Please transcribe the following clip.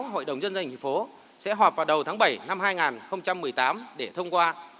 hội đồng nhân dân thành phố sẽ họp vào đầu tháng bảy năm hai nghìn một mươi tám để thông qua